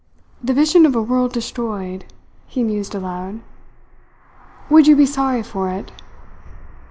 "The vision of a world destroyed," he mused aloud. "Would you be sorry for it?"